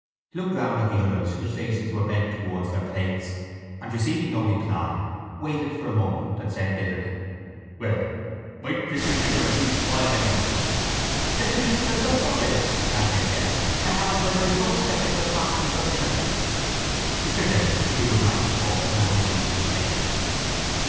He looked round at the others whose faces were bent towards their plates and, receiving no reply, waited for a moment and said bitterly: —Well, my Christmas dinner has been spoiled anyhow. —There could be neither luck nor grace, Dante said, in a house where there is no respect for the pastors of the church. Mr Dedalus threw his knife and fork noisily on his plate.